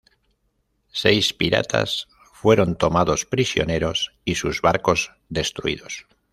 Seis piratas fueron tomados prisioneros y sus barcos destruidos.